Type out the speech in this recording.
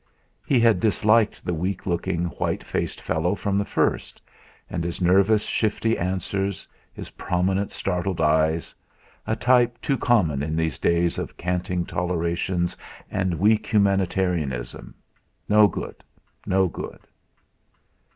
He had disliked the weak looking, white faced fellow from the first, and his nervous, shifty answers, his prominent startled eyes a type too common in these days of canting tolerations and weak humanitarianism; no good, no good!